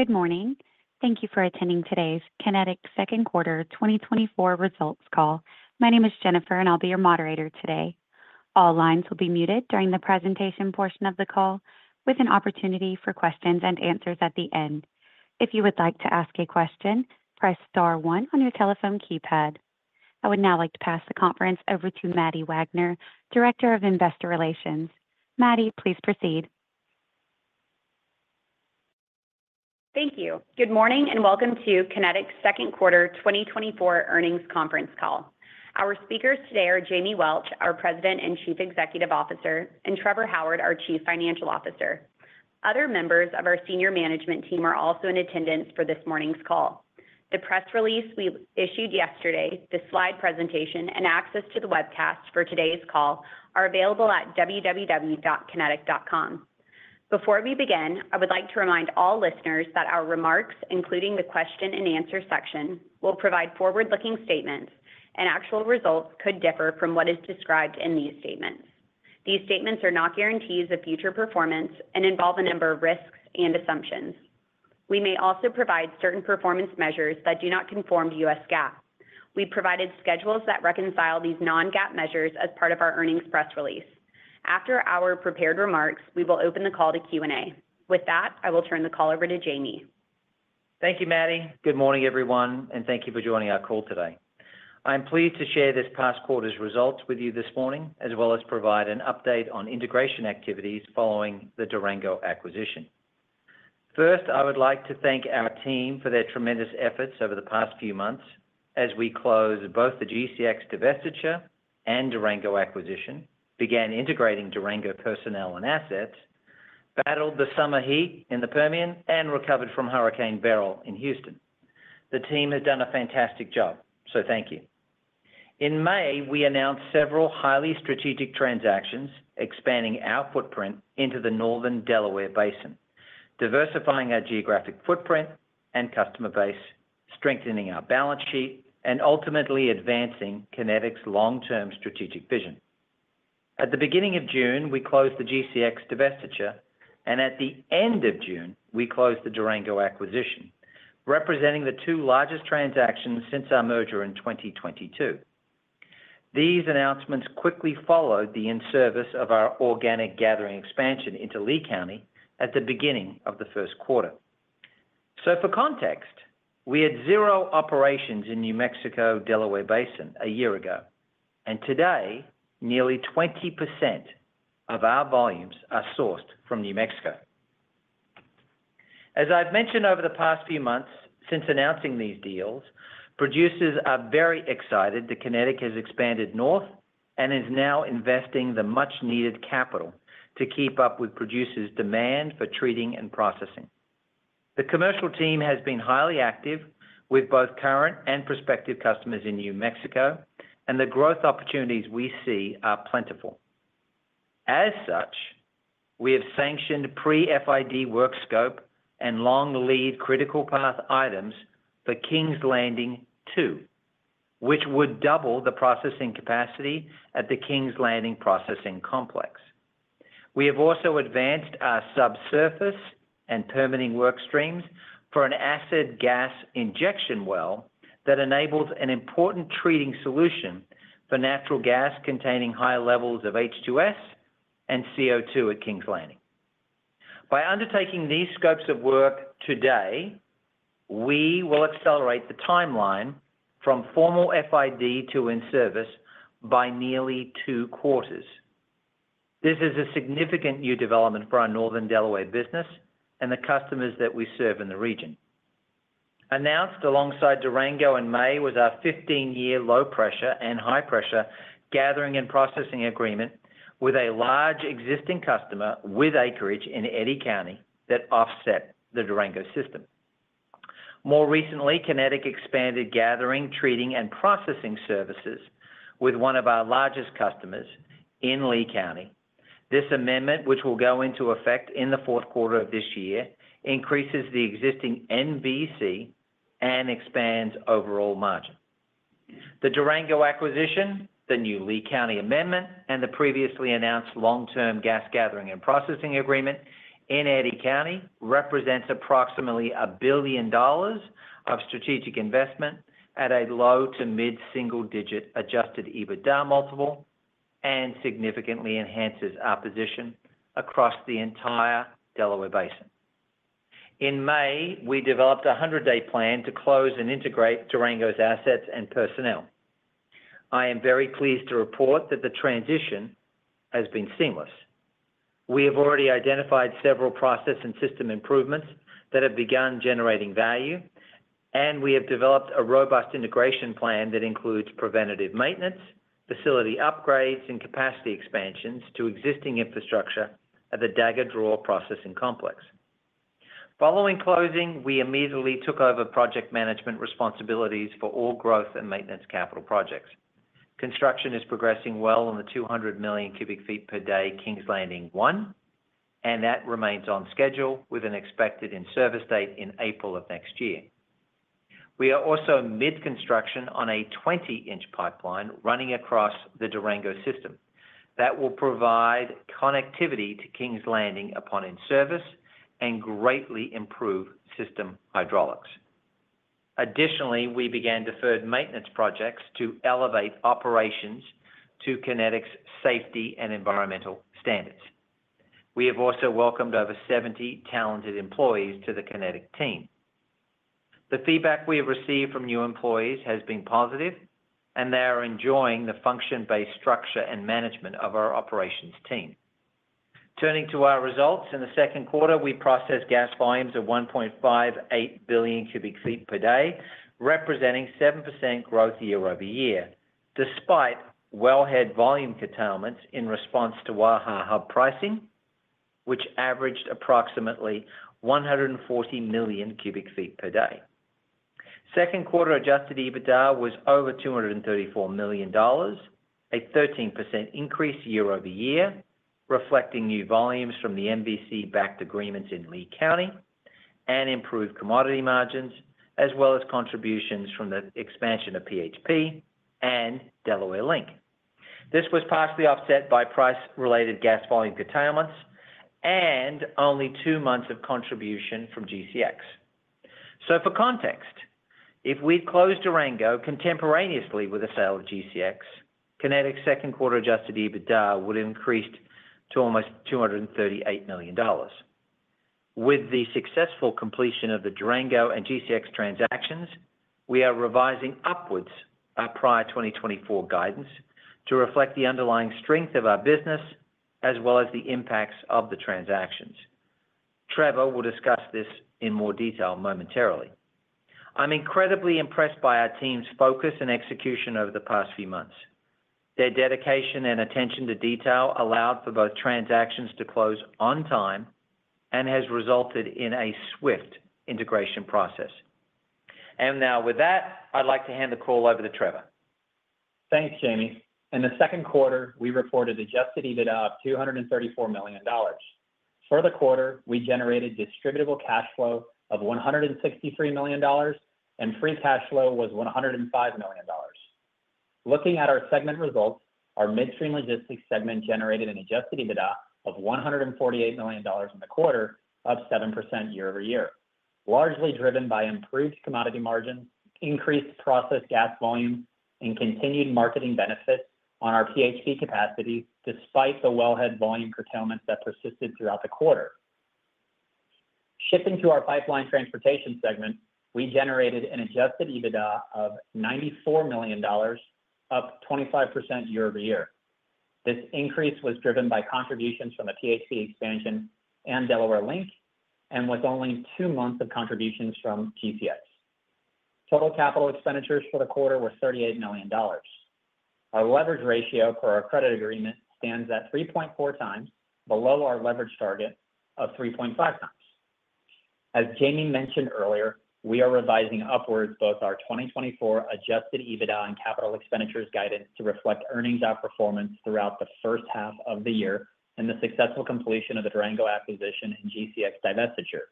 Good morning. Thank you for attending today's Kinetik second quarter 2024 results call. My name is Jennifer, and I'll be your moderator today. All lines will be muted during the presentation portion of the call, with an opportunity for questions and answers at the end. If you would like to ask a question, press star one on your telephone keypad. I would now like to pass the conference over to Maddie Wagner, Director of Investor Relations. Maddie, please proceed. Thank you. Good morning, and welcome to Kinetik's second quarter 2024 earnings conference call. Our speakers today are Jamie Welch, our President and Chief Executive Officer, and Trevor Howard, our Chief Financial Officer. Other members of our senior management team are also in attendance for this morning's call. The press release we issued yesterday, the slide presentation, and access to the webcast for today's call are available at www.kinetik.com. Before we begin, I would like to remind all listeners that our remarks, including the question and answer section, will provide forward-looking statements, and actual results could differ from what is described in these statements. These statements are not guarantees of future performance and involve a number of risks and assumptions. We may also provide certain performance measures that do not conform to US GAAP. We provided schedules that reconcile these non-GAAP measures as part of our earnings press release. After our prepared remarks, we will open the call to Q&A. With that, I will turn the call over to Jamie. Thank you, Maddie. Good morning, everyone, and thank you for joining our call today. I am pleased to share this past quarter's results with you this morning, as well as provide an update on integration activities following the Durango acquisition. First, I would like to thank our team for their tremendous efforts over the past few months as we closed both the GCX divestiture and Durango acquisition, began integrating Durango personnel and assets, battled the summer heat in the Permian, and recovered from Hurricane Beryl in Houston. The team has done a fantastic job, so thank you. In May, we announced several highly strategic transactions, expanding our footprint into the Northern Delaware Basin, diversifying our geographic footprint and customer base, strengthening our balance sheet, and ultimately advancing Kinetik's long-term strategic vision. At the beginning of June, we closed the GCX divestiture, and at the end of June, we closed the Durango acquisition, representing the two largest transactions since our merger in 2022. These announcements quickly followed the in-service of our organic gathering expansion into Lea County at the beginning of the first quarter. So for context, we had 0 operations in New Mexico, Delaware Basin a year ago, and today, nearly 20% of our volumes are sourced from New Mexico. As I've mentioned over the past few months since announcing these deals, producers are very excited that Kinetik has expanded north and is now investing the much-needed capital to keep up with producers' demand for treating and processing. The commercial team has been highly active with both current and prospective customers in New Mexico, and the growth opportunities we see are plentiful. As such, we have sanctioned pre-FID work scope and long lead critical path items for Kings Landing II, which would double the processing capacity at the Kings Landing processing complex. We have also advanced our subsurface and permitting work streams for an acid gas injection well that enables an important treating solution for natural gas containing high levels of H2S and CO2 at Kings Landing. By undertaking these scopes of work today, we will accelerate the timeline from formal FID to in-service by nearly two quarters. This is a significant new development for our Northern Delaware business and the customers that we serve in the region. Announced alongside Durango in May was our 15-year low pressure and high pressure gathering and processing agreement with a large existing customer with acreage in Eddy County that offset the Durango system. More recently, Kinetik expanded gathering, treating, and processing services with one of our largest customers in Lea County. This amendment, which will go into effect in the fourth quarter of this year, increases the existing MVC and expands overall margin. The Durango acquisition, the new Lea County amendment, and the previously announced long-term gas gathering and processing agreement in Eddy County, represents approximately $1 billion of strategic investment at a low- to mid-single-digit Adjusted EBITDA multiple, and significantly enhances our position across the entire Delaware Basin. In May, we developed a 100-day plan to close and integrate Durango's assets and personnel. I am very pleased to report that the transition has been seamless. We have already identified several process and system improvements that have begun generating value, and we have developed a robust integration plan that includes preventative maintenance, facility upgrades, and capacity expansions to existing infrastructure at the Dagger Draw Processing Complex. Following closing, we immediately took over project management responsibilities for all growth and maintenance capital projects. Construction is progressing well on the 200 million cubic feet per day Kings Landing I, and that remains on schedule with an expected in-service date in April of next year. We are also mid-construction on a 20-inch pipeline running across the Durango system. That will provide connectivity to Kings Landing upon in-service and greatly improve system hydraulics. Additionally, we began deferred maintenance projects to elevate operations to Kinetik's safety and environmental standards. We have also welcomed over 70 talented employees to the Kinetik team. The feedback we have received from new employees has been positive, and they are enjoying the function-based structure and management of our operations team. Turning to our results, in the second quarter, we processed gas volumes of 1.58 billion cubic feet per day, representing 7% growth year-over-year, despite wellhead volume curtailments in response to Waha Hub pricing, which averaged approximately 140 million cubic feet per day. Second quarter Adjusted EBITDA was over $234 million, a 13% increase year-over-year, reflecting new volumes from the MVC-backed agreements in Lea County and improved commodity margins, as well as contributions from the expansion of PHP and Delaware Link. This was partially offset by price-related gas volume curtailments and only two months of contribution from GCX. So for context, if we'd closed Durango contemporaneously with the sale of GCX, Kinetik's second quarter Adjusted EBITDA would have increased to almost $238 million. With the successful completion of the Durango and GCX transactions, we are revising upwards our prior 2024 guidance to reflect the underlying strength of our business, as well as the impacts of the transactions. Trevor will discuss this in more detail momentarily. I'm incredibly impressed by our team's focus and execution over the past few months. Their dedication and attention to detail allowed for both transactions to close on time and has resulted in a swift integration process. And now, with that, I'd like to hand the call over to Trevor. Thanks, Jamie. In the second quarter, we reported Adjusted EBITDA of $234 million. For the quarter, we generated Distributable Cash Flow of $163 million, and Free Cash Flow was $105 million. Looking at our segment results, our midstream logistics segment generated an Adjusted EBITDA of $148 million in the quarter, up 7% year-over-year, largely driven by improved commodity margins, increased processed gas volume, and continued marketing benefits on our PHP capacity, despite the wellhead volume curtailment that persisted throughout the quarter. Shifting to our pipeline transportation segment, we generated an Adjusted EBITDA of $94 million, up 25% year-over-year. This increase was driven by contributions from the PHP expansion and Delaware Link, and with only two months of contributions from GCX. Total capital expenditures for the quarter were $38 million. Our leverage ratio for our credit agreement stands at 3.4 times, below our leverage target of 3.5 times. As Jamie mentioned earlier, we are revising upwards both our 2024 adjusted EBITDA and capital expenditures guidance to reflect earnings outperformance throughout the first half of the year and the successful completion of the Durango acquisition and GCX divestiture.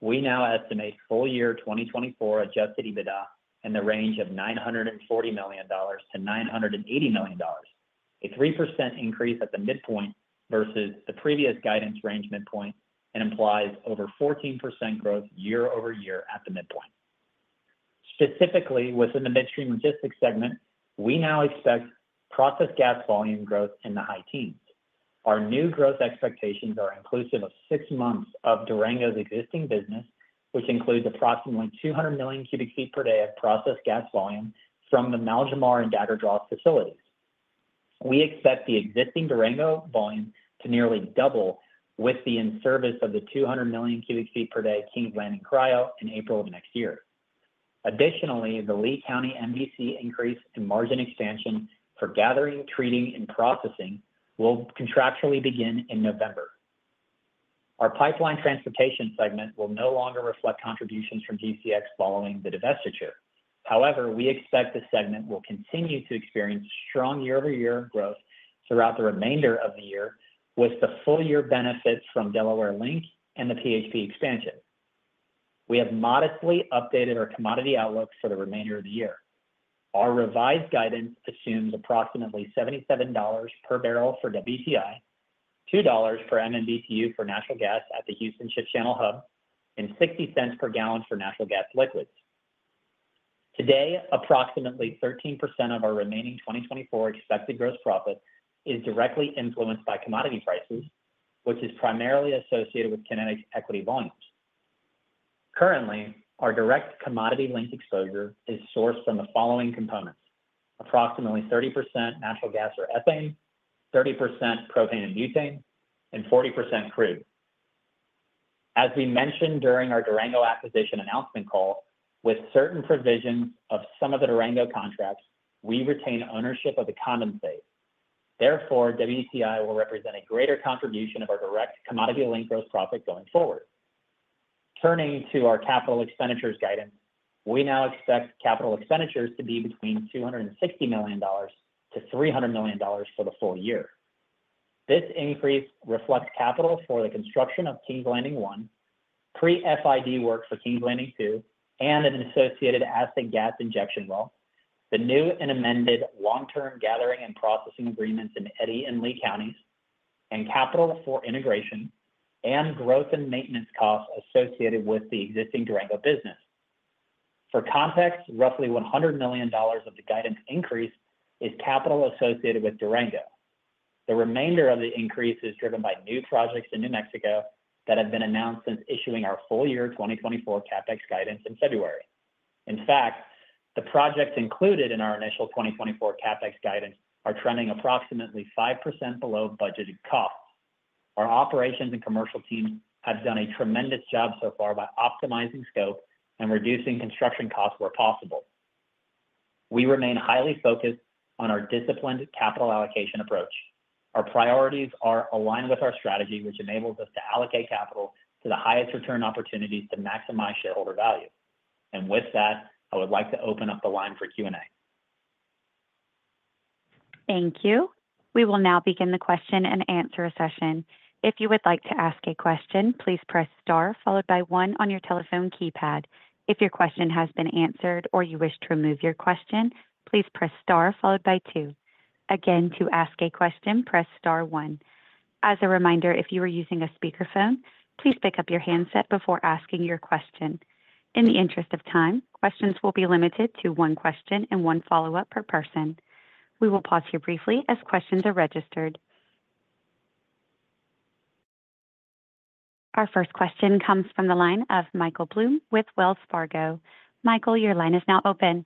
We now estimate full year 2024 adjusted EBITDA in the range of $940 million-$980 million, a 3% increase at the midpoint versus the previous guidance range midpoint, and implies over 14% growth year-over-year at the midpoint. Specifically, within the midstream logistics segment, we now expect processed gas volume growth in the high teens. Our new growth expectations are inclusive of six months of Durango's existing business, which includes approximately 200 million cubic feet per day of processed gas volume from the Maljamar and Dagger Draw facilities. We expect the existing Durango volume to nearly double with the in-service of the 200 million cubic feet per day Kings Landing Cryo in April of next year. Additionally, the Lea County MVC increase and margin expansion for gathering, treating, and processing will contractually begin in November. Our pipeline transportation segment will no longer reflect contributions from GCX following the divestiture. However, we expect the segment will continue to experience strong year-over-year growth throughout the remainder of the year, with the full year benefits from Delaware Link and the PHP expansion. We have modestly updated our commodity outlook for the remainder of the year. Our revised guidance assumes approximately $77 per barrel for WTI, $2 per MMBtu for natural gas at the Houston Ship Channel Hub, and $0.60 per gallon for natural gas liquids. Today, approximately 13% of our remaining 2024 expected gross profit is directly influenced by commodity prices, which is primarily associated with Kinetik's equity volumes. Currently, our direct commodity link exposure is sourced from the following components: approximately 30% natural gas or ethane, 30% propane and butane, and 40% crude. As we mentioned during our Durango acquisition announcement call, with certain provisions of some of the Durango contracts, we retain ownership of the condensate. Therefore, WTI will represent a greater contribution of our direct commodity link gross profit going forward. Turning to our capital expenditures guidance, we now expect capital expenditures to be between $260 million-$300 million for the full year. This increase reflects capital for the construction of Kings Landing I, pre-FID work for Kings Landing II, and an associated acid gas injection well. The new and amended long-term gathering and processing agreements in Eddy and Lea Counties, and capital for integration and growth and maintenance costs associated with the existing Durango business. For context, roughly $100 million of the guidance increase is capital associated with Durango. The remainder of the increase is driven by new projects in New Mexico that have been announced since issuing our full year 2024 CapEx guidance in February. In fact, the projects included in our initial 2024 CapEx guidance are trending approximately 5% below budgeted costs. Our operations and commercial teams have done a tremendous job so far by optimizing scope and reducing construction costs where possible. We remain highly focused on our disciplined capital allocation approach. Our priorities are aligned with our strategy, which enables us to allocate capital to the highest return opportunities to maximize shareholder value. With that, I would like to open up the line for Q&A. Thank you. We will now begin the question and answer session. If you would like to ask a question, please press star followed by one on your telephone keypad. If your question has been answered or you wish to remove your question, please press star followed by two. Again, to ask a question, press star one. As a reminder, if you are using a speakerphone, please pick up your handset before asking your question. In the interest of time, questions will be limited to one question and one follow-up per person. We will pause here briefly as questions are registered. Our first question comes from the line of Michael Blum with Wells Fargo. Michael, your line is now open.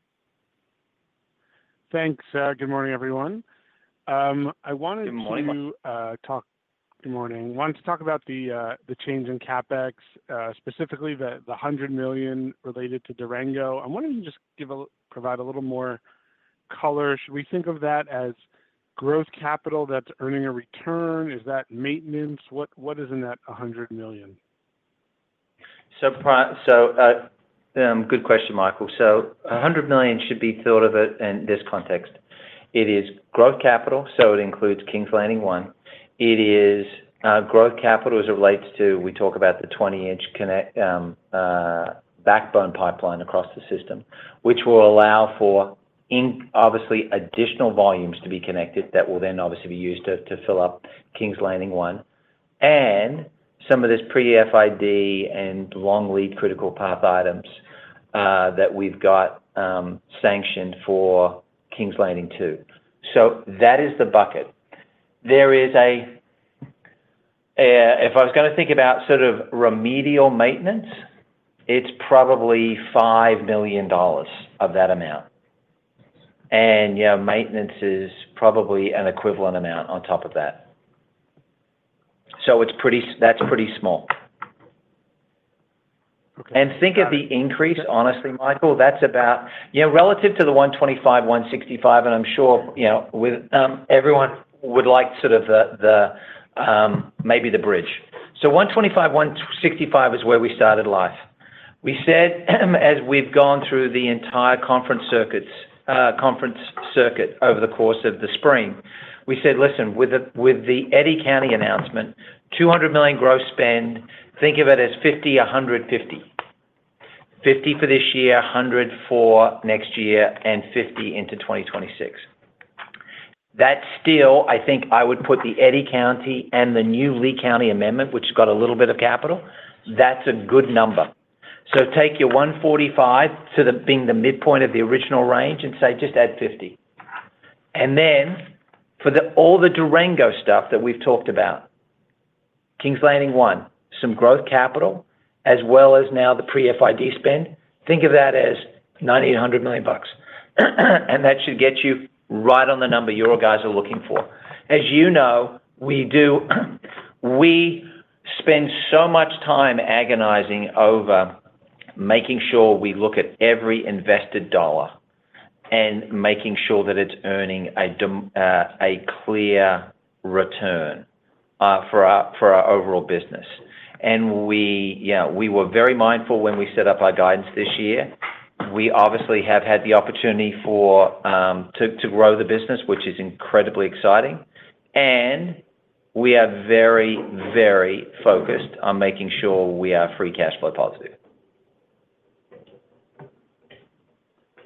Thanks. Good morning, everyone. I wanted to- Good morning Good morning. Wanted to talk about the change in CapEx, specifically the $100 million related to Durango. I'm wondering if you can just give a, provide a little more color. Should we think of that as growth capital that's earning a return? Is that maintenance? What is in that $100 million? So, good question, Michael. So $100 million should be thought of it in this context: it is growth capital, so it includes Kings Landing I. It is growth capital as it relates to, we talk about the 20-inch connect backbone pipeline across the system, which will allow for obviously additional volumes to be connected, that will then obviously be used to fill up Kings Landing I, and some of this pre-FID and long lead critical path items that we've got sanctioned for Kings Landing II. So that is the bucket. There is a, if I was gonna think about sort of remedial maintenance, it's probably $5 million of that amount. And, yeah, maintenance is probably an equivalent amount on top of that. So it's pretty—that's pretty small. Okay. Think of the increase, honestly, Michael, that's about, you know, relative to the $125, $165, and I'm sure, you know, with everyone would like sort of the, the, maybe the bridge. So $125, $165 is where we started life. We said, as we've gone through the entire conference circuit over the course of the spring, we said, "Listen, with the, with the Eddy County announcement, $200 million gross spend, think of it as $50, $100, $50. $50 for this year, $100 for next year, and $50 into 2026." That still, I think I would put the Eddy County and the new Lea County amendment, which has got a little bit of capital, that's a good number. So take your 145 to the-- being the midpoint of the original range and say, just add 50. Then for all the Durango stuff that we've talked about, Kings Landing I, some growth capital, as well as now the pre-FID spend, think of that as $90 million-$100 million. And that should get you right on the number your guys are looking for. As you know, we spend so much time agonizing over making sure we look at every invested dollar, and making sure that it's earning a clear return for our overall business. And yeah, we were very mindful when we set up our guidance this year. We obviously have had the opportunity to grow the business, which is incredibly exciting, and we are very, very focused on making sure we are free cash flow positive.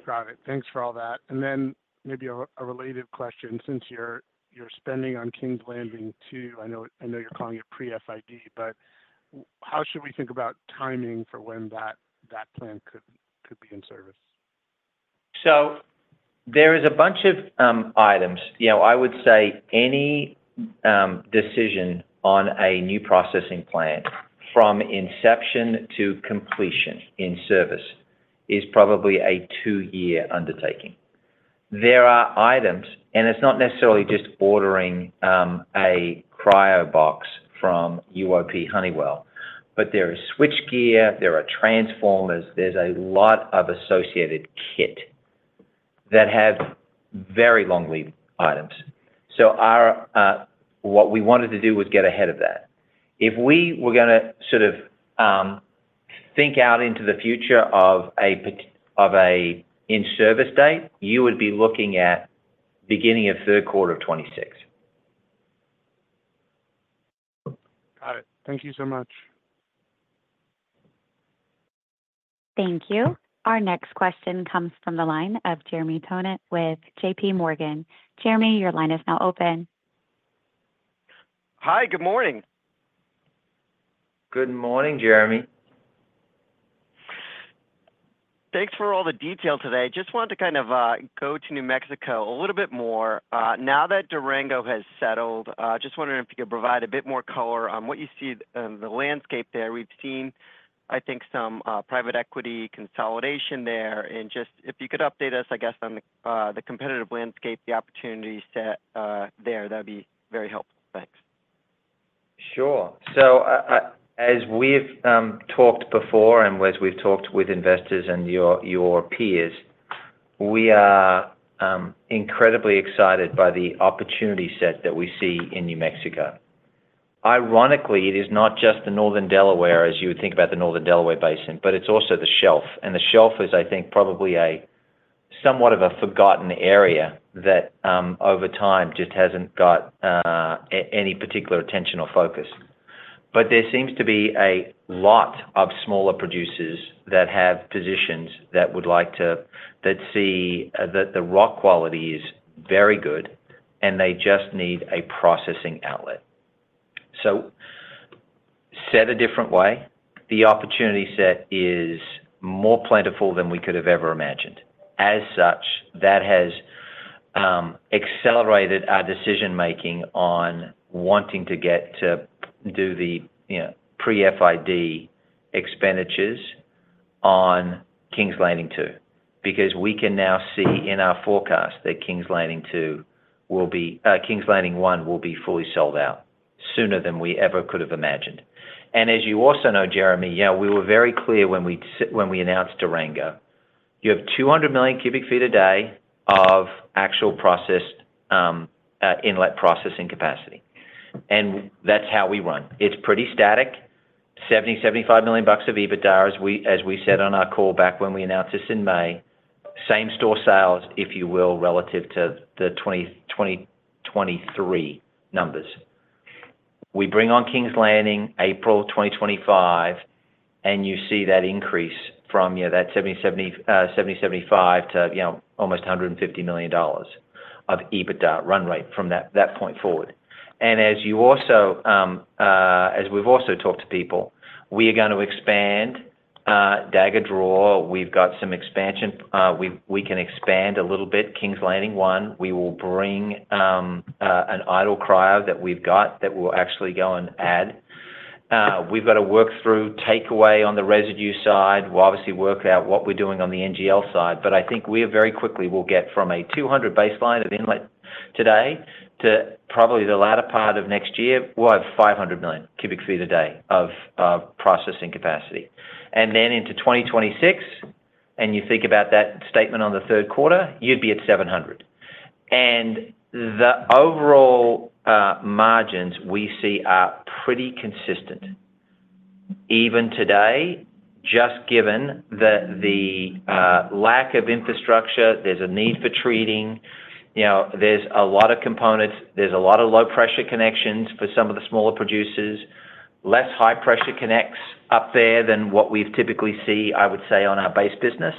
Got it. Thanks for all that. Then maybe a related question, since you're spending on Kings Landing II. I know you're calling it pre-FID, but how should we think about timing for when that plant could be in service? There is a bunch of items. You know, I would say any decision on a new processing plant from inception to completion in service is probably a two-year undertaking. There are items, and it's not necessarily just ordering a cryo box from Honeywell UOP, but there are switch gear, there are transformers, there's a lot of associated kit that have very long lead items. What we wanted to do was get ahead of that. If we were gonna sort of think out into the future of a in-service date, you would be looking at beginning of third quarter of 2026. Got it. Thank you so much. Thank you. Our next question comes from the line of Jeremy Tonet with J.P. Morgan. Jeremy, your line is now open. Hi, good morning. Good morning, Jeremy. Thanks for all the detail today. Just wanted to kind of go to New Mexico a little bit more. Now that Durango has settled, just wondering if you could provide a bit more color on what you see in the landscape there. We've seen, I think, some private equity consolidation there, and just if you could update us, I guess, on the competitive landscape, the opportunity set there, that'd be very helpful. Thanks. Sure. So, as we've talked before and as we've talked with investors and your peers, we are incredibly excited by the opportunity set that we see in New Mexico. Ironically, it is not just the northern Delaware, as you would think about the northern Delaware Basin, but it's also the shelf. And the shelf is, I think, probably a somewhat of a forgotten area that over time just hasn't got any particular attention or focus. But there seems to be a lot of smaller producers that have positions that see that the rock quality is very good, and they just need a processing outlet. So said a different way, the opportunity set is more plentiful than we could have ever imagined. As such, that has accelerated our decision-making on wanting to get to do the, you know, pre-FID expenditures on Kings Landing II. Because we can now see in our forecast that Kings Landing II will be, Kings Landing I will be fully sold out sooner than we ever could have imagined. And as you also know, Jeremy, you know, we were very clear when we announced Durango, you have 200 million cubic feet a day of actual processed inlet processing capacity, and that's how we run. It's pretty static, $70-$75 million of EBITDA, as we said on our call back when we announced this in May. Same store sales, if you will, relative to the 2023 numbers. We bring on Kings Landing April 2025, and you see that increase from, you know, that 75 to, you know, almost $150 million of EBITDA run rate from that point forward. And as you also, as we've also talked to people, we are going to expand Dagger Draw. We've got some expansion. We can expand a little bit Kings Landing I. We will bring an idle cryo that we've got, that we'll actually go and add. We've got to work through takeaway on the residue side. We'll obviously work out what we're doing on the NGL side, but I think we very quickly will get from a 200 baseline of inlet today to probably the latter part of next year. We'll have 500 million cubic feet a day of processing capacity. And then into 2026, and you think about that statement on the third quarter, you'd be at 700. And the overall margins we see are pretty consistent. Even today, just given the lack of infrastructure, there's a need for treating, you know. There's a lot of components, there's a lot of low-pressure connections for some of the smaller producers, less high-pressure connects up there than what we typically see, I would say, on our base business.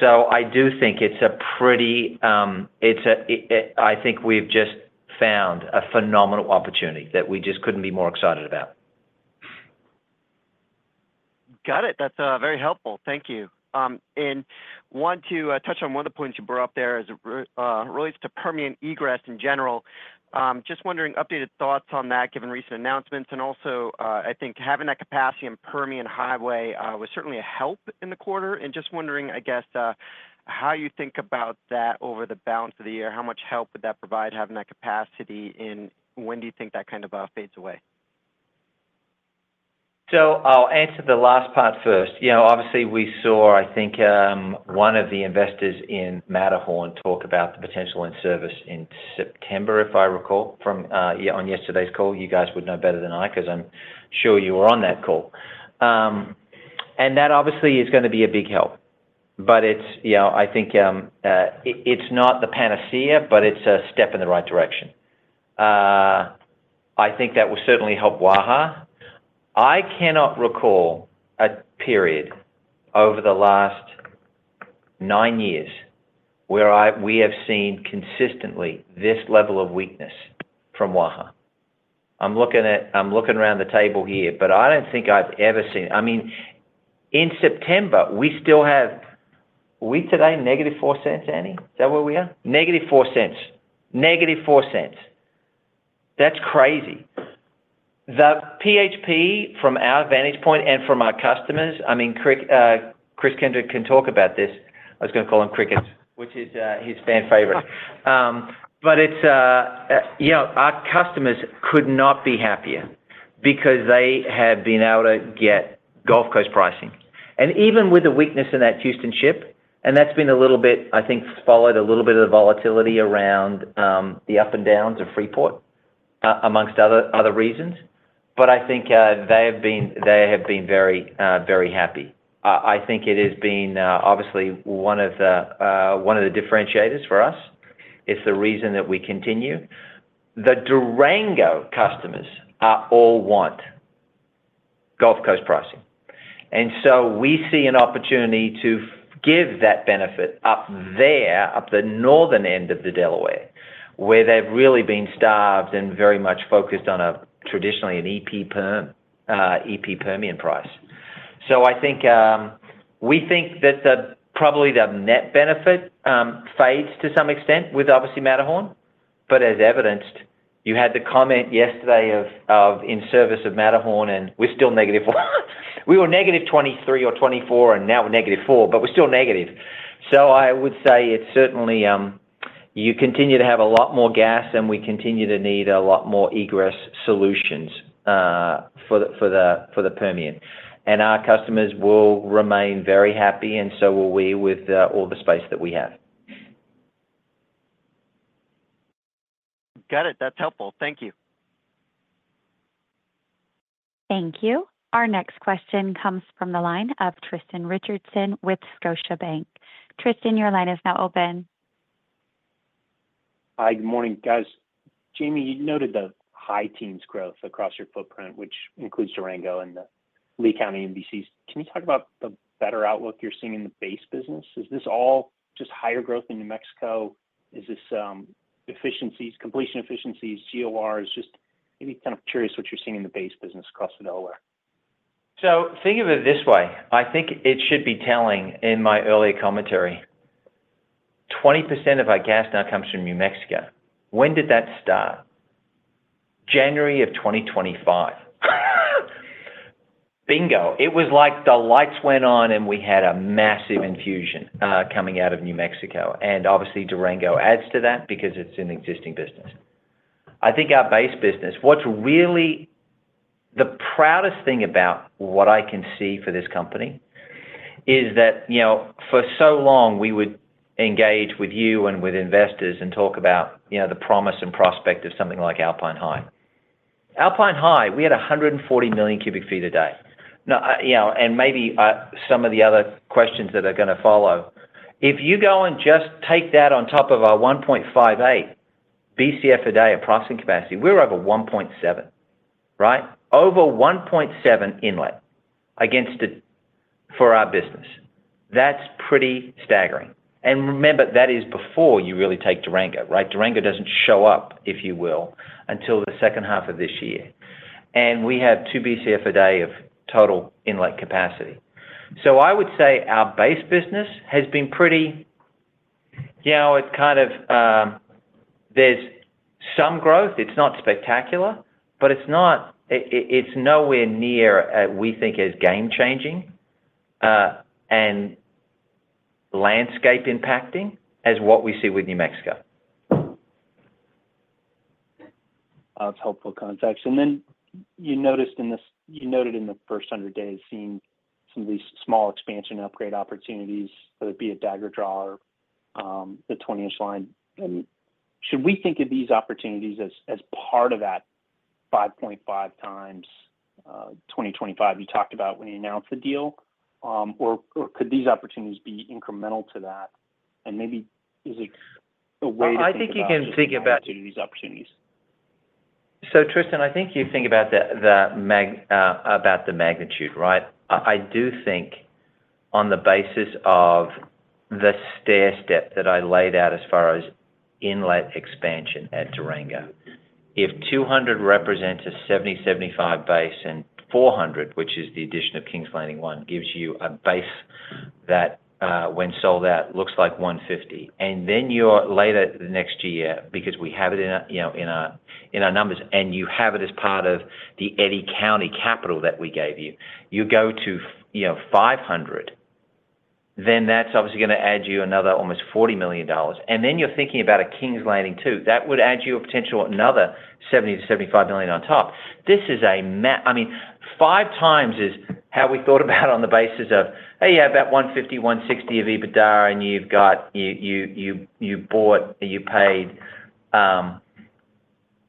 So I do think it's a pretty. I think we've just found a phenomenal opportunity that we just couldn't be more excited about. Got it. That's very helpful. Thank you. And want to touch on one of the points you brought up there as it relates to Permian egress in general. Just wondering, updated thoughts on that, given recent announcements, and also, I think having that capacity in Permian Highway was certainly a help in the quarter. And just wondering, I guess, how you think about that over the balance of the year. How much help would that provide, having that capacity, and when do you think that kind of fades away? So I'll answer the last part first. You know, obviously, we saw, I think, one of the investors in Matterhorn talk about the potential in-service in September, if I recall, from, yeah, on yesterday's call. You guys would know better than I, because I'm sure you were on that call. And that obviously is going to be a big help, but it's—you know, I think, it, it's not the panacea, but it's a step in the right direction. I think that will certainly help Waha. I cannot recall a period over the last nine years where I—we have seen consistently this level of weakness from Waha. I'm looking at—I'm looking around the table here, but I don't think I've ever seen... I mean, in September, we still have, are we today -$0.04, Annie? Is that where we are? -$0.04. -$0.04. That's crazy. The PHP from our vantage point and from our customers, I mean, Crick, Chris Kendrick can talk about this. I was going to call him Cricket, which is, his fan favorite. But it's, you know, our customers could not be happier because they have been able to get Gulf Coast pricing. And even with the weakness in that Houston Ship Channel, and that's been a little bit, I think, followed a little bit of the volatility around, the up and downs of Freeport, amongst other, other reasons. But I think, they have been, they have been very, very happy. I think it has been, obviously one of the, one of the differentiators for us. It's the reason that we continue. The Durango customers are all want Gulf Coast pricing, and so we see an opportunity to give that benefit up there, up the northern end of the Delaware, where they've really been starved and very much focused on a traditionally an EP Permian price. So I think, we think that the, probably the net benefit, fades to some extent with obviously Matterhorn. But as evidenced, you had the comment yesterday of in service of Matterhorn, and we're still negative. We were -$23 or -$24, and now we're -$4, but we're still negative. So I would say it's certainly, you continue to have a lot more gas, and we continue to need a lot more egress solutions, for the Permian. Our customers will remain very happy, and so will we, with all the space that we have. Got it. That's helpful. Thank you. Thank you. Our next question comes from the line of Tristan Richardson with Scotiabank. Tristan, your line is now open. Hi, good morning, guys. Jamie, you noted the high teens growth across your footprint, which includes Durango and the Lea County MVCs. Can you talk about the better outlook you're seeing in the base business? Is this all just higher growth in New Mexico? Is this efficiencies, completion efficiencies, CORs? Just maybe kind of curious what you're seeing in the base business across Delaware. So think of it this way, I think it should be telling in my earlier commentary, 20% of our gas now comes from New Mexico. When did that start? January of 2025. Bingo. It was like the lights went on, and we had a massive infusion coming out of New Mexico, and obviously Durango adds to that because it's an existing business. I think our base business, what's really the proudest thing about what I can see for this company is that, you know, for so long, we would engage with you and with investors and talk about, you know, the promise and prospect of something like Alpine High. Alpine High, we had 140 million cubic feet a day. Now, you know, and maybe some of the other questions that are gonna follow. If you go and just take that on top of our 1.58 BCF a day of processing capacity, we're over 1.7, right? Over 1.7 inlet against it for our business. That's pretty staggering. And remember, that is before you really take Durango, right? Durango doesn't show up, if you will, until the second half of this year. And we have 2 BCF a day of total inlet capacity. So I would say our base business has been pretty. You know, it's kind of, there's some growth. It's not spectacular, but it's not-- it, it's nowhere near, we think, as game changing, and landscape impacting as what we see with New Mexico. That's helpful context. And then you noticed in this--you noted in the first 100 days, seeing some of these small expansion upgrade opportunities, whether it be a Dagger Draw or the 20-inch line. Should we think of these opportunities as part of that 5.5x 2025 you talked about when you announced the deal? Or could these opportunities be incremental to that? And maybe is it a way to think about- I think you can think about- -these opportunities. So Tristan, I think you think about the, the magnitude, right? I, I do think on the basis of the stair step that I laid out as far as inlet expansion at Durango, if 200 represents a 75 base and 400, which is the addition of Kings Landing I, gives you a base that, when sold out, looks like 150. And then you're later the next year, because we have it in our, you know, in our, in our numbers, and you have it as part of the Eddy County capital that we gave you. You go to, you know, 500, then that's obviously gonna add you another almost $40 million, and then you're thinking about a Kings Landing II. That would add you a potential another $70 million-$75 million on top. I mean, 5 times is how we thought about on the basis of, "Hey, you have about 150, 160 of EBITDA, and you've got... You bought, you paid,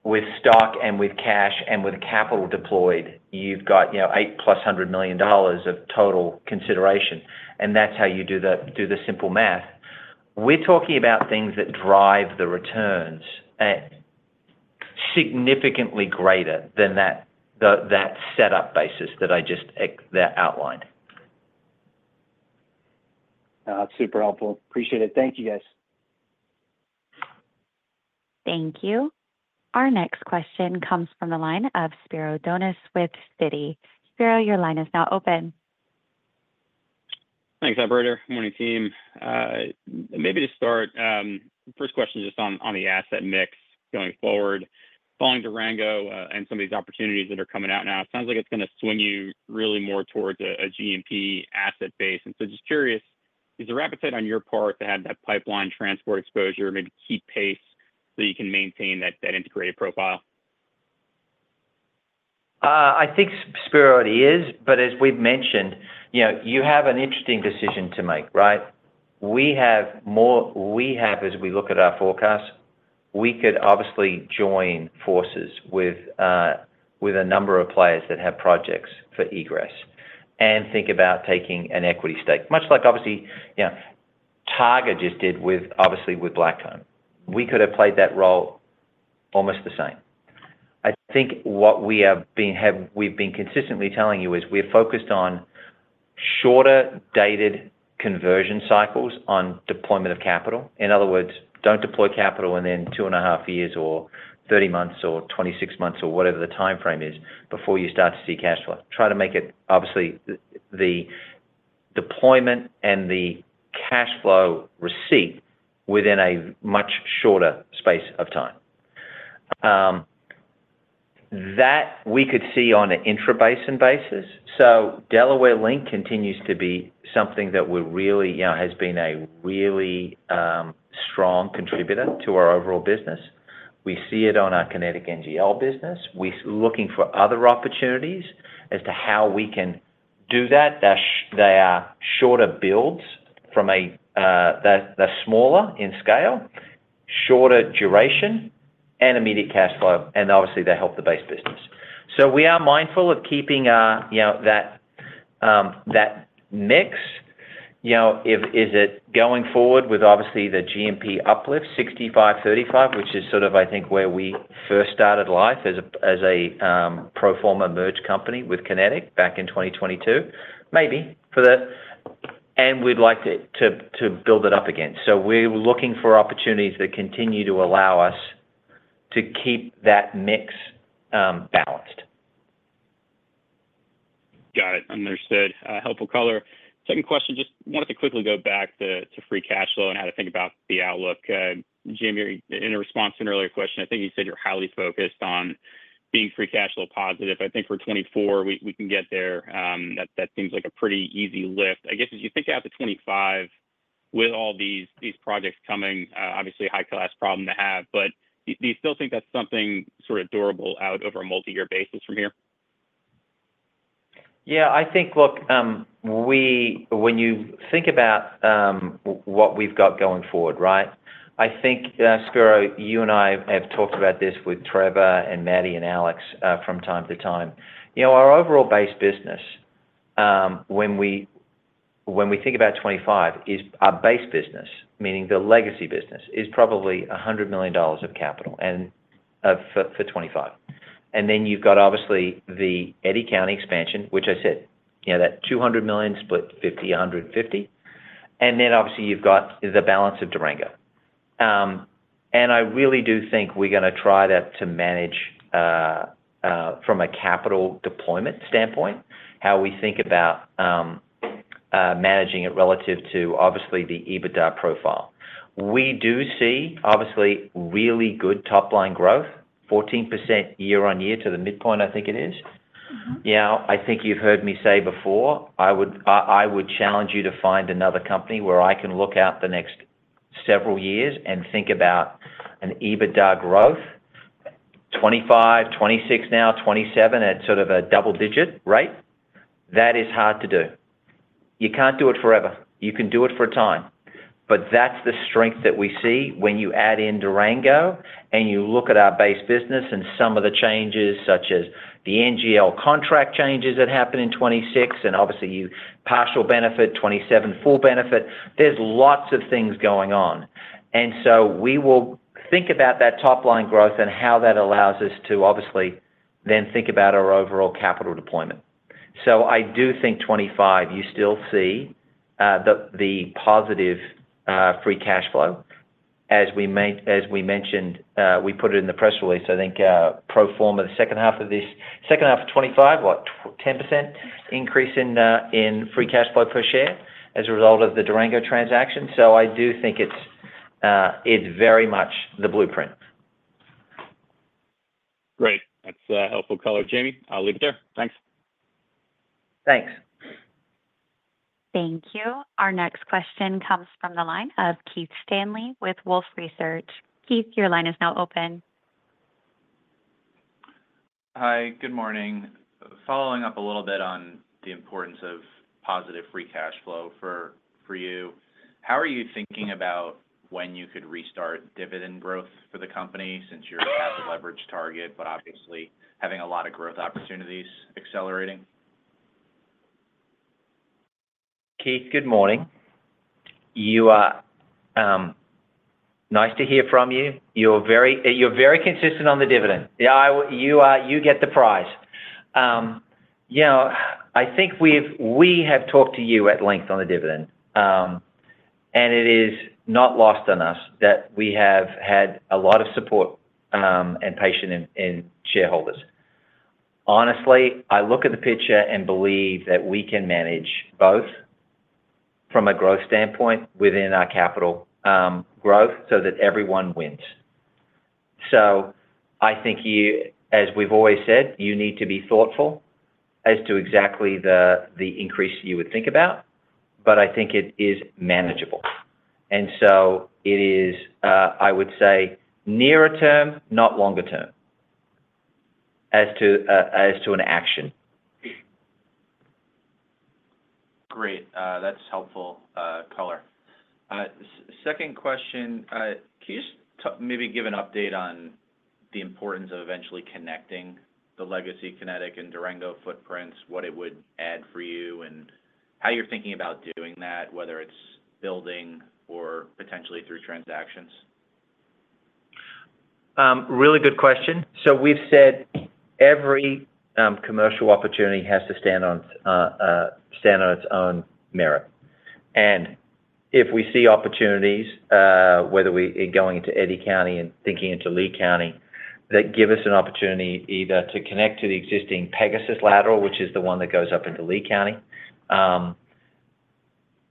with stock and with cash and with capital deployed, you've got, you know, $800+ million of total consideration." And that's how you do the simple math. We're talking about things that drive the returns at significantly greater than that setup basis that I just outlined. Super helpful. Appreciate it. Thank you, guys. Thank you. Our next question comes from the line of Spiro Dounis with Citi. Spiro, your line is now open. Thanks, operator. Morning, team. Maybe to start, first question, just on, on the asset mix going forward. Following Durango, and some of these opportunities that are coming out now, it sounds like it's gonna swing you really more towards a, a GMP asset base. And so just curious, is the appetite on your part to have that pipeline transport exposure maybe keep pace so you can maintain that, that integrated profile? I think Spiro, it is, but as we've mentioned, you know, you have an interesting decision to make, right? We have more—we have, as we look at our forecast, we could obviously join forces with a number of players that have projects for egress and think about taking an equity stake. Much like obviously, you know, Targa just did with, obviously, with Blackstone. We could have played that role almost the same. I think what we have been have—we've been consistently telling you is we're focused on shorter dated conversion cycles on deployment of capital. In other words, don't deploy capital and then 2.5 years or 30 months or 26 months or whatever the time frame is, before you start to see cash flow. Try to make it, obviously, the deployment and the cash flow receipt within a much shorter space of time that we could see on an intrabasin basis. So Delaware Link continues to be something that we're really, you know, has been a really strong contributor to our overall business. We see it on our Kinetik NGL business. We're looking for other opportunities as to how we can do that. They are shorter builds from a they're smaller in scale, shorter duration and immediate cash flow, and obviously, they help the base business. So we are mindful of keeping, you know, that mix. You know, if it is going forward with obviously the GMP uplift, 65-35, which is sort of, I think, where we first started life as a pro forma merge company with Kinetik back in 2022? Maybe, for the... And we'd like to build it up again. So we're looking for opportunities that continue to allow us to keep that mix balanced. Got it. Understood. Helpful color. Second question, just wanted to quickly go back to free cash flow and how to think about the outlook. Jamie, in a response to an earlier question, I think you said you're highly focused on being free cash flow positive. I think for 2024 we can get there. That seems like a pretty easy lift. I guess, as you think out to 2025 with all these projects coming, obviously a high-class problem to have, but do you still think that's something sort of durable out over a multi-year basis from here? Yeah, I think. Look, when you think about what we've got going forward, right? I think, Spiro, you and I have talked about this with Trevor and Maddie and Alex, from time to time. You know, our overall base business, when we think about 2025, is our base business, meaning the legacy business, is probably $100 million of capital for 2025. And then you've got obviously the Eddy County expansion, which I said, you know, that $200 million split $50, $100, $50. And then obviously you've got the balance of Durango. And I really do think we're gonna try to manage from a capital deployment standpoint, how we think about managing it relative to obviously the EBITDA profile. We do see, obviously, really good top line growth, 14% year-on-year to the midpoint, I think it is. Mm-hmm. You know, I think you've heard me say before, I would challenge you to find another company where I can look out the next several years and think about an EBITDA growth, 2025, 2026 now, 2027 at sort of a double digit rate. That is hard to do. You can't do it forever. You can do it for a time. But that's the strength that we see when you add in Durango and you look at our base business and some of the changes, such as the NGL contract changes that happened in 2026 and obviously, you partial benefit, 2027 full benefit. There's lots of things going on. And so we will think about that top line growth and how that allows us to obviously then think about our overall capital deployment. I do think 25, you still see the positive free cash flow. As we mentioned, we put it in the press release, I think, pro forma, the second half of this, second half of 25, what, 10% increase in free cash flow per share as a result of the Durango transaction. So I do think it's very much the blueprint. Great. That's helpful color, Jamie. I'll leave it there. Thanks. Thanks. Thank you. Our next question comes from the line of Keith Stanley with Wolfe Research. Keith, your line is now open. Hi, good morning. Following up a little bit on the importance of positive Free Cash Flow for you, how are you thinking about when you could restart dividend growth for the company since you're at the leverage target, but obviously having a lot of growth opportunities accelerating? Keith, good morning. You are nice to hear from you. You're very, you're very consistent on the dividend. Yeah, you are, you get the prize. You know, I think we've, we have talked to you at length on the dividend, and it is not lost on us that we have had a lot of support, and patience in shareholders. Honestly, I look at the picture and believe that we can manage both from a growth standpoint within our capital growth, so that everyone wins. So I think you, as we've always said, you need to be thoughtful as to exactly the increase you would think about, but I think it is manageable. And so it is, I would say nearer term, not longer term, as to an action. Great. That's helpful, color. Second question. Can you just maybe give an update on the importance of eventually connecting the legacy Kinetik and Durango footprints, what it would add for you, and how you're thinking about doing that, whether it's building or potentially through transactions? Really good question. So we've said every commercial opportunity has to stand on its own merit. And if we see opportunities, whether in going into Eddy County and thinking into Lea County, that give us an opportunity either to connect to the existing Pegasus lateral, which is the one that goes up into Lea County,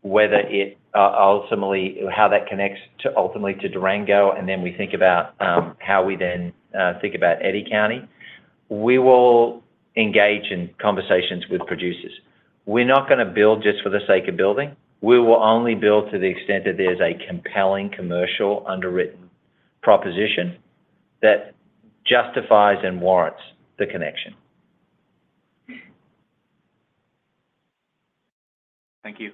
whether it ultimately connects to Durango, and then we think about how we then think about Eddy County, we will engage in conversations with producers. We're not gonna build just for the sake of building. We will only build to the extent that there's a compelling commercial underwritten proposition that justifies and warrants the connection. Thank you.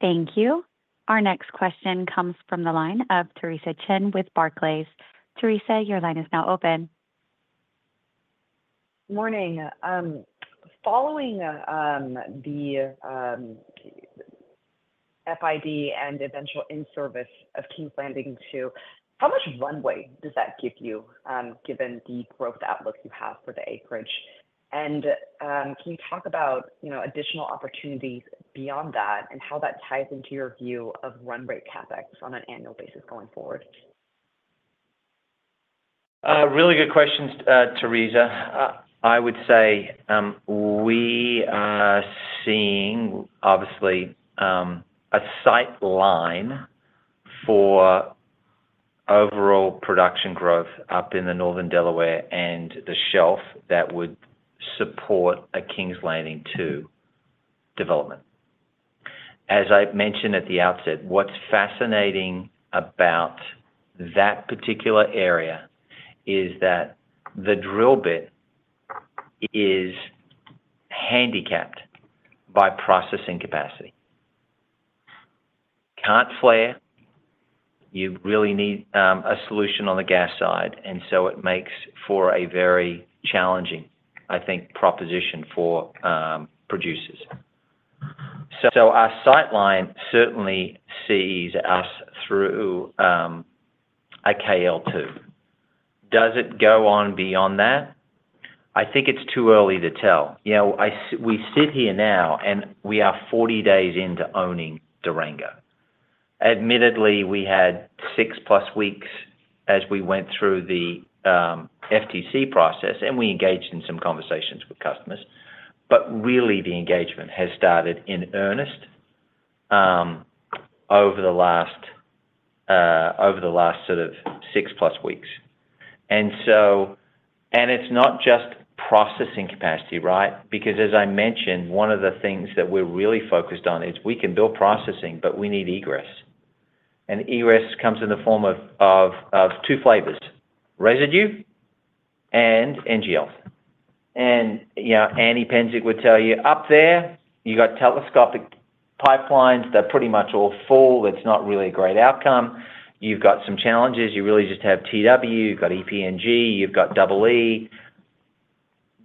Thank you. Our next question comes from the line of Theresa Chen with Barclays. Teresa, your line is now open. Morning. Following the FID and eventual in-service of Kings Landing II, how much runway does that give you, given the growth outlook you have for the acreage? And can you talk about, you know, additional opportunities beyond that and how that ties into your view of run rate CapEx on an annual basis going forward? Really good questions, Teresa. I would say we are seeing obviously a sight line for overall production growth up in the Northern Delaware and the shelf that would support a Kings Landing II development. As I mentioned at the outset, what's fascinating about that particular area is that the drill bit is handicapped by processing capacity. Can't flare, you really need a solution on the gas side, and so it makes for a very challenging, I think, proposition for producers. So our sight line certainly sees us through a KL two. Does it go on beyond that? I think it's too early to tell. You know, we sit here now, and we are 40 days into owning Durango. Admittedly, we had six plus weeks as we went through the FTC process, and we engaged in some conversations with customers, but really, the engagement has started in earnest over the last, over the last sort of six plus weeks. And so, and it's not just processing capacity, right? Because as I mentioned, one of the things that we're really focused on is we can build processing, but we need egress. And egress comes in the form of, of, of two flavors: residue and NGL. And, you know, Andy Penzig would tell you, up there, you got telescopic pipelines. They're pretty much all full. It's not really a great outcome. You've got some challenges. You really just have TW, you've got EPNG, you've got Double E. You know,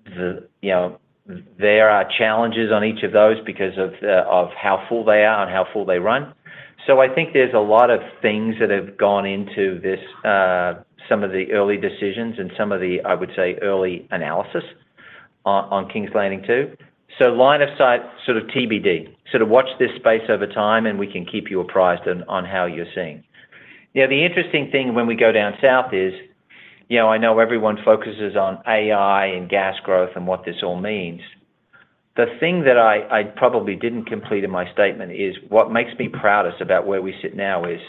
there are challenges on each of those because of the, of how full they are and how full they run. So I think there's a lot of things that have gone into this, some of the early decisions and some of the, I would say, early analysis on, on Kings Landing II. So line of sight, sort of TBD. Sort of watch this space over time, and we can keep you apprised on, on how you're seeing. You know, the interesting thing when we go down south is, you know, I know everyone focuses on AI and gas growth and what this all means. The thing that I, I probably didn't complete in my statement is what makes me proudest about where we sit now is,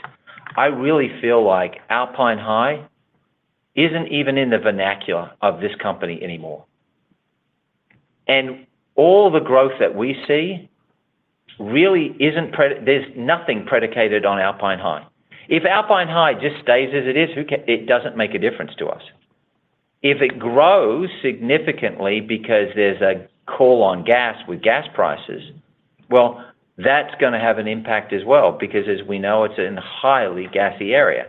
I really feel like Alpine High isn't even in the vernacular of this company anymore. All the growth that we see really isn't predicated—there's nothing predicated on Alpine High. If Alpine High just stays as it is, it doesn't make a difference to us. If it grows significantly because there's a call on gas with gas prices, well, that's gonna have an impact as well, because as we know, it's a highly gassy area.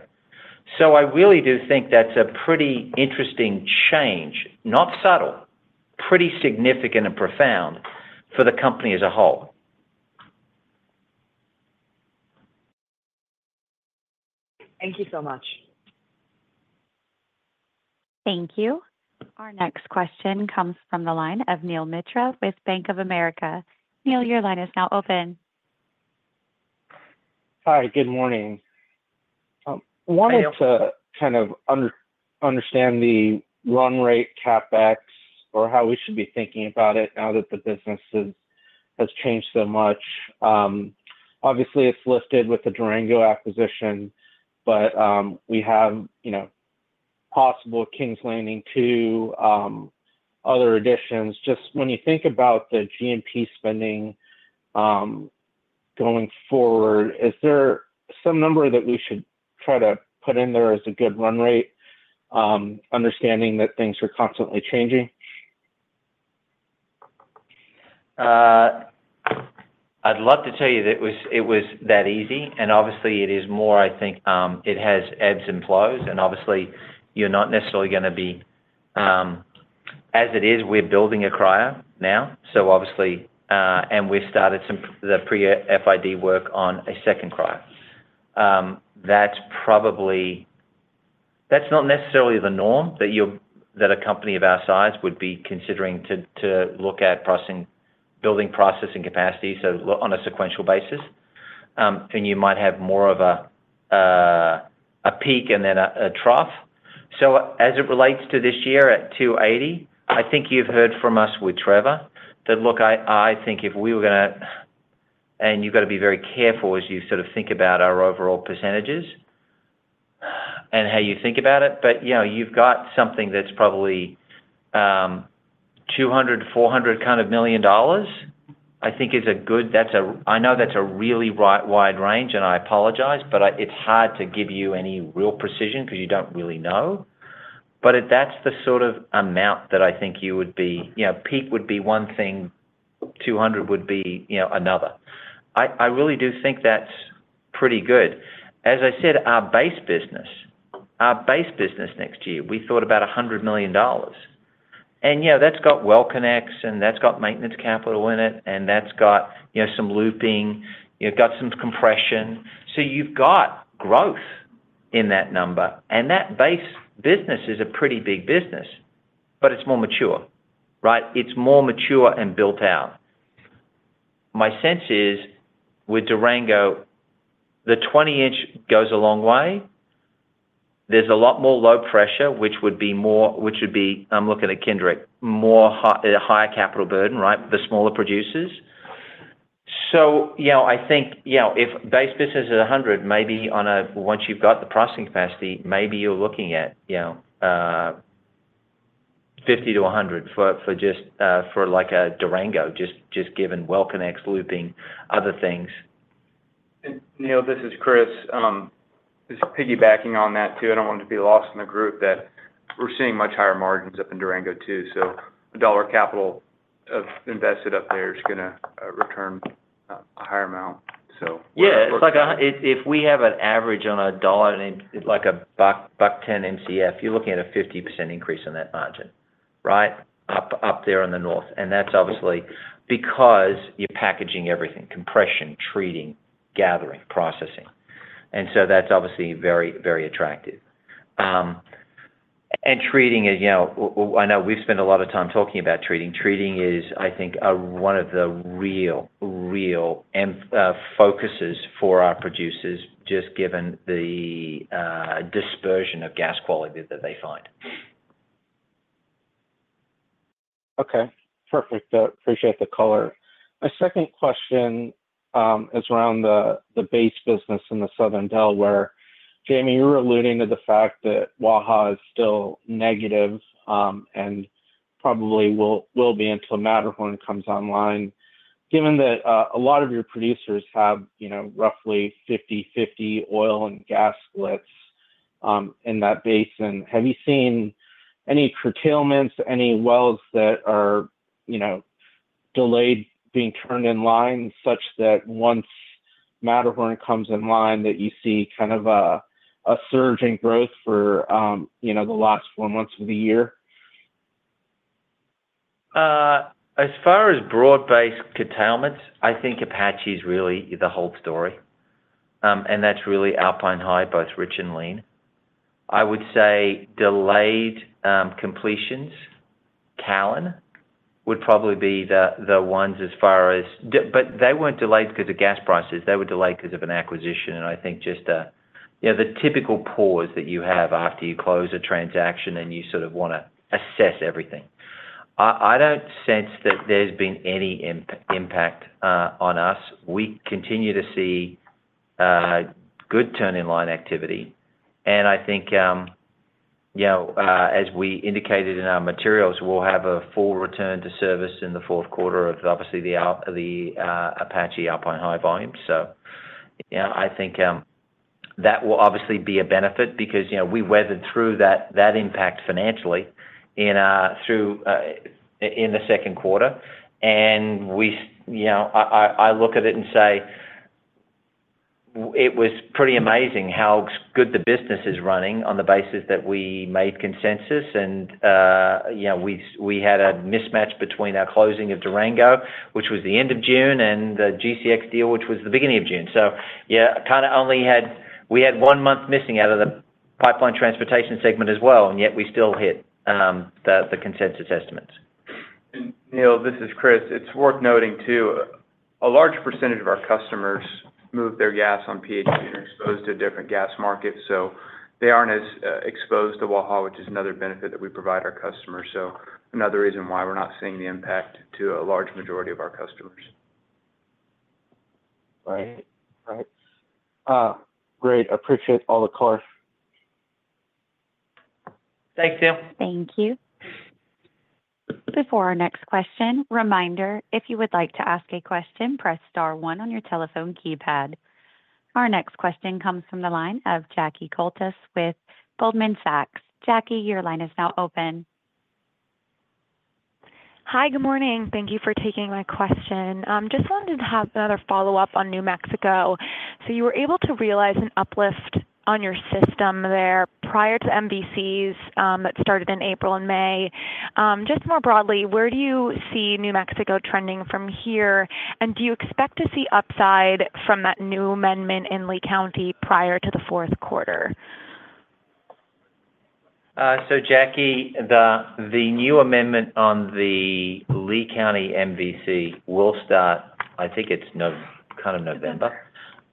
I really do think that's a pretty interesting change, not subtle, pretty significant and profound for the company as a whole. Thank you so much. Thank you. Our next question comes from the line of Neel Mitra with Bank of America. Neel, your line is now open. Hi, good morning. Wanted to- Hi Neil. Kind of understand the run rate CapEx or how we should be thinking about it now that the business is has changed so much. Obviously, it's listed with the Durango acquisition, but, we have, you know, possible Kings Landing, too, other additions. Just when you think about the CapEx spending, going forward, is there some number that we should try to put in there as a good run rate, understanding that things are constantly changing? I'd love to tell you that it was, it was that easy, and obviously, it is more—I think, it has ebbs and flows, and obviously, you're not necessarily gonna be as it is, we're building a cryo now, so obviously, and we've started some, the pre-FID work on a second cryo. That's probably—that's not necessarily the norm that you—that a company of our size would be considering to, to look at processing, building, processing capacity, so on a sequential basis. And you might have more of a, a peak and then a, a trough. So as it relates to this year at 280, I think you've heard from us with Trevor, that look I, I think if we were gonna, and you've got to be very careful as you sort of think about our overall percentages and how you think about it, but, you know, you've got something that's probably, $200 million-$400 million kind of, I think is a good, that's a, I know that's a really wide, wide range, and I apologize, but I, it's hard to give you any real precision because you don't really know. But if that's the sort of amount that I think you would be, you know, peak would be one thing, 200 would be, you know, another. I, I really do think that's pretty good. As I said, our base business, our base business next year, we thought about $100 million. And, you know, that's got Well Connects, and that's got maintenance capital in it, and that's got, you know, some looping, you know, got some compression. So you've got growth in that number, and that base business is a pretty big business, but it's more mature, right? It's more mature and built out. My sense is, with Durango, the 20-inch goes a long way. There's a lot more low pressure, which would be more, which would be, I'm looking at Kendrick, a higher capital burden, right, the smaller producers. So, you know, I think, you know, if base business is 100, maybe on a once you've got the processing capacity, maybe you're looking at, you know, 50-100 for just for, like, a Durango, just given Well Connect, looping other things. And Neil, this is Chris. Just piggybacking on that, too, I don't want to be lost in the group, that we're seeing much higher margins up in Durango, too, so a dollar capital of invested up there is gonna return a higher amount, so- Yeah, it's like a—if we have an average on a dollar, like, a buck, buck ten Mcf, you're looking at a 50% increase on that margin, right? Up, up there in the north. And that's obviously because you're packaging everything, compression, treating, gathering, processing. And so that's obviously very, very attractive. And treating is, you know, I know we've spent a lot of time talking about treating. Treating is, I think, one of the real, real focuses for our producers, just given the dispersion of gas quality that they find. Okay, perfect. Appreciate the color. My second question is around the base business in the Southern Delaware. Jamie, you were alluding to the fact that Waha is still negative and probably will be until Matterhorn comes online. Given that, a lot of your producers have, you know, roughly 50/50 oil and gas splits in that basin, have you seen any curtailments, any wells that are, you know, delayed being turned in line, such that once Matterhorn comes in line, that you see kind of a surge in growth for, you know, the last four months of the year? As far as broad-based curtailments, I think Apache is really the whole story. And that's really Alpine High, both rich and lean. I would say delayed completions, Callon would probably be the ones as far as—but they weren't delayed because of gas prices, they were delayed because of an acquisition, and I think just, you know, the typical pause that you have after you close a transaction and you sort of want to assess everything. I don't sense that there's been any impact on us. We continue to see good turn in line activity, and I think, you know, as we indicated in our materials, we'll have a full return to service in the fourth quarter of obviously the Apache Alpine High volume. So, you know, I think that will obviously be a benefit because, you know, we weathered through that, that impact financially in the second quarter. And we, you know, I look at it and say, "It was pretty amazing how good the business is running on the basis that we made consensus," and, you know, we had a mismatch between our closing of Durango, which was the end of June, and the GCX deal, which was the beginning of June. So yeah, we had one month missing out of the pipeline transportation segment as well, and yet we still hit the consensus estimates. Neel, this is Chris. It's worth noting, too. A large percentage of our customers move their gas on PHP and are exposed to different gas markets, so they aren't as exposed to Waha, which is another benefit that we provide our customers. So another reason why we're not seeing the impact to a large majority of our customers. Right. Right. Great. Appreciate all the color. Thanks, Sam. Thank you. Before our next question, reminder, if you would like to ask a question, press star one on your telephone keypad. Our next question comes from the line of Jackie Koletas with Goldman Sachs. Jackie, your line is now open. Hi, good morning. Thank you for taking my question. Just wanted to have another follow-up on New Mexico. So you were able to realize an uplift on your system there prior to MVCs that started in April and May. Just more broadly, where do you see New Mexico trending from here? And do you expect to see upside from that new amendment in Lea County prior to the fourth quarter? So Jackie, the new amendment on the Lea County MVC will start, I think it's November kind of November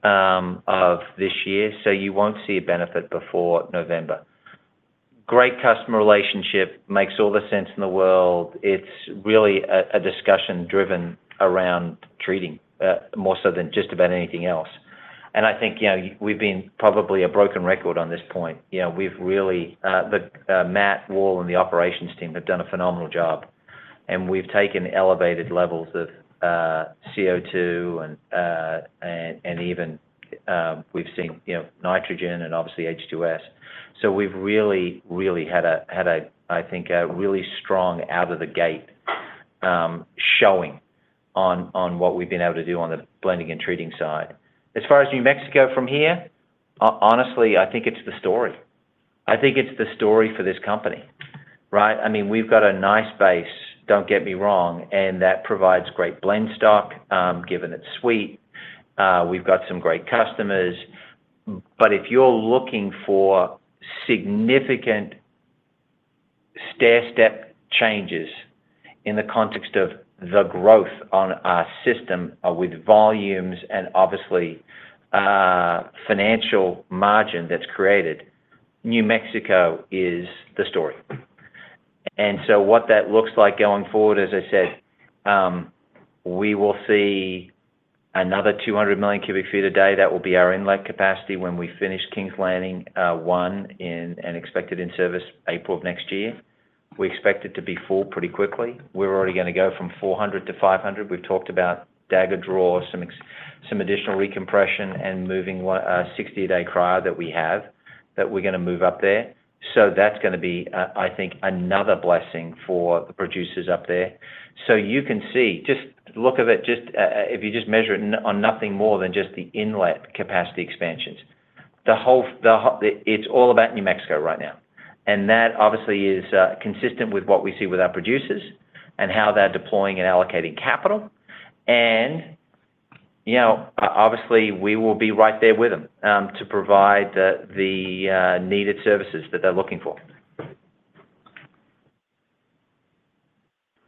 of this year, so you won't see a benefit before November. Great customer relationship, makes all the sense in the world. It's really a discussion driven around treating more so than just about anything else. And I think, you know, we've been probably a broken record on this point. You know, we've really the Matt Wall and the operations team have done a phenomenal job, and we've taken elevated levels of CO2 and and even we've seen, you know, nitrogen and obviously H2S. So we've really, really had a had a, I think, a really strong out-of-the-gate showing on on what we've been able to do on the blending and treating side. As far as New Mexico from here, honestly, I think it's the story. I think it's the story for this company, right? I mean, we've got a nice base, don't get me wrong, and that provides great blend stock, given it's sweet. We've got some great customers. But if you're looking for significant stairstep changes in the context of the growth on our system, with volumes and obviously, financial margin that's created, New Mexico is the story. And so what that looks like going forward, as I said, we will see another 200 million cubic feet a day. That will be our inlet capacity when we finish Kings Landing I in, and expected in service April of next year. We expect it to be full pretty quickly. We're already gonna go from 400 to 500. We've talked about Dagger Draw, some additional recompression and moving one 60-day cryo that we have, that we're gonna move up there. So that's gonna be, I think, another blessing for the producers up there. So you can see, just look at it just, if you just measure it on nothing more than just the inlet capacity expansions, the whole the whole it's all about New Mexico right now. And that obviously is consistent with what we see with our producers and how they're deploying and allocating capital. And, you know, obviously, we will be right there with them, to provide the needed services that they're looking for.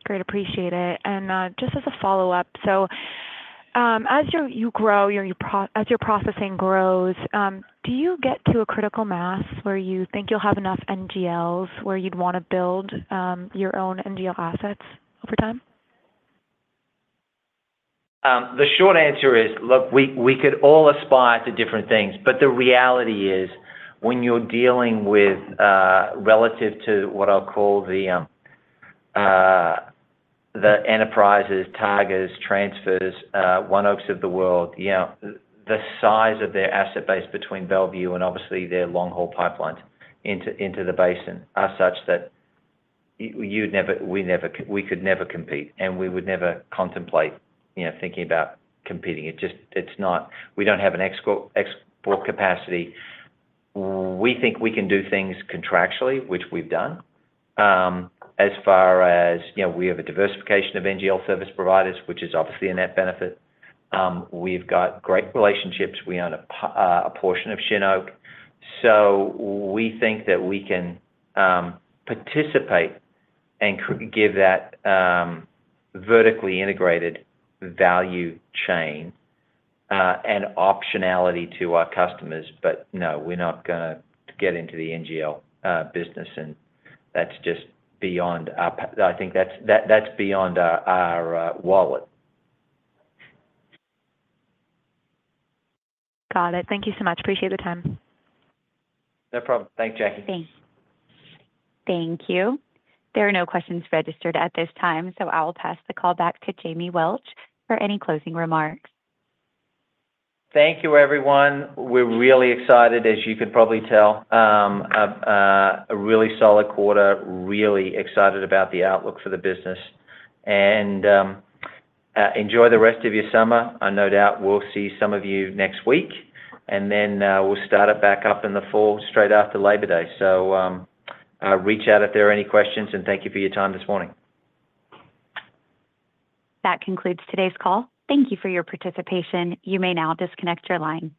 Great. Appreciate it. And just as a follow-up, as your processing grows, do you get to a critical mass where you think you'll have enough NGLs, where you'd want to build your own NGL assets over time? The short answer is, look, we could all aspire to different things, but the reality is, when you're dealing with relative to what I'll call the Enterprises, Targas, Transfers, ONEOKs of the world, you know, the size of their asset base between Belvieu and obviously their long-haul pipelines into the basin, are such that you'd never—we could never compete, and we would never contemplate, you know, thinking about competing. It just, it's not—we don't have an export capacity. We think we can do things contractually, which we've done. As far as, you know, we have a diversification of NGL service providers, which is obviously a net benefit. We've got great relationships. We own a portion of Shin Oak, so we think that we can participate and give that vertically integrated value chain an optionality to our customers. But no, we're not gonna get into the NGL business, and that's just beyond our wallet. I think that's beyond our wallet. Got it. Thank you so much. Appreciate the time. No problem. Thanks, Jackie. Thanks. Thank you. There are no questions registered at this time, so I will pass the call back to Jamie Welch for any closing remarks. Thank you, everyone. We're really excited, as you can probably tell. A really solid quarter. Really excited about the outlook for the business. Enjoy the rest of your summer. I no doubt we'll see some of you next week, and then, we'll start it back up in the fall, straight after Labor Day. Reach out if there are any questions, and thank you for your time this morning. That concludes today's call. Thank you for your participation. You may now disconnect your line.